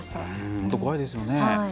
本当、怖いですよね。